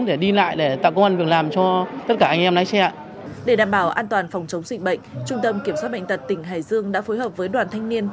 để đảm bảo an toàn phòng chống dịch bệnh trung tâm kiểm soát bệnh tật tỉnh hải dương đã phối hợp với đoàn thanh niên